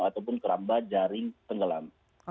ataupun keramba jaring tenggelam